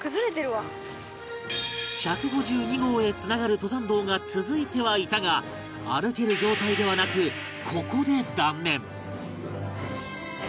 １５２号へつながる登山道が続いてはいたが歩ける状態ではなくここで断念